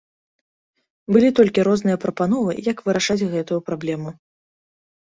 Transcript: Былі толькі розныя прапановы, як вырашаць гэтую праблему.